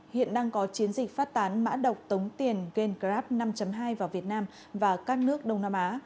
hiện đang có chiến dịch phát tán mã độc tống tiền gan grab năm hai vào việt nam và các nước đông nam á